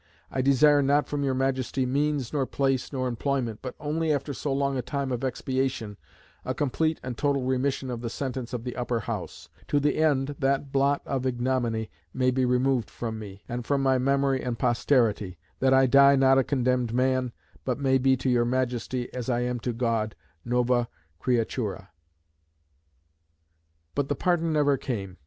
I desire not from your Majesty means, nor place, nor employment, but only after so long a time of expiation, a complete and total remission of the sentence of the Upper House, to the end that blot of ignominy may be removed from me, and from my memory and posterity, that I die not a condemned man, but may be to your Majesty, as I am to God, nova creatura." But the pardon never came.